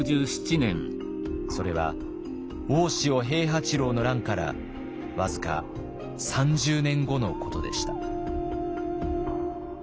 それは大塩平八郎の乱から僅か３０年後のことでした。